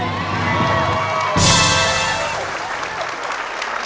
ไม่ใช้